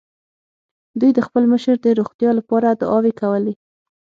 دوی د خپل مشر د روغتيا له پاره دعاوې کولې.